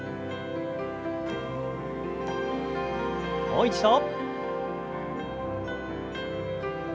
もう一度。